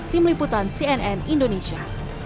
tim liputan cnn indonesia